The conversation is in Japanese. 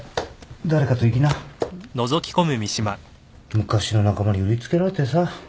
昔の仲間に売りつけられてさ。